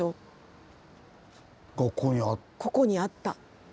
ここにあった。